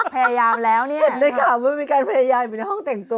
พยายามแล้วเนี่ยเห็นด้วยค่ะว่ามีการพยายามอยู่ในห้องแต่งตัว